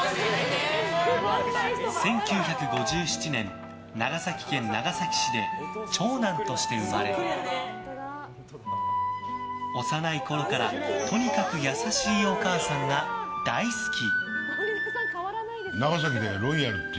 １９５７年、長崎県長崎市で長男として生まれ幼いころから、とにかく優しいお母さんが大好き。